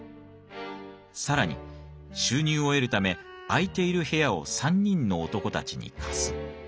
更に収入を得るため空いている部屋を３人の男たちに貸す。